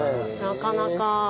なかなか。